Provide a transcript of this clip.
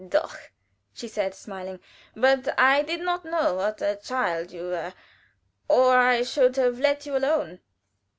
"Doch!" she said, smiling. "But I did not know what a child you were, or I should have let you alone."